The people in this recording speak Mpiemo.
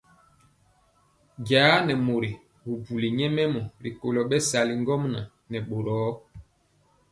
Jaa nɛ mori bubuli nyɛmemɔ rikolo bɛsali ŋgomnaŋ nɛ boro.